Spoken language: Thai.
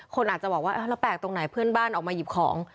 คนอาจจะบอกว่าแล้วแปลกตรงไหนเพื่อนบ้านออกมาหยิบของ